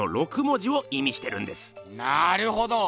なるほど！